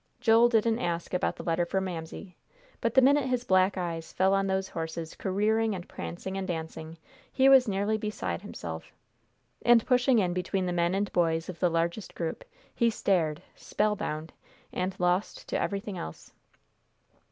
Joel didn't ask about the letter for Mamsie, but the minute his black eyes fell on those horses careering and prancing and dancing, he was nearly beside himself. And pushing in between the men and boys of the largest group, he stared, spellbound, and lost to everything else.